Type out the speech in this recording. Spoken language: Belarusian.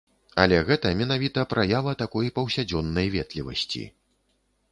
Але гэта менавіта праява такой паўсядзённай ветлівасці.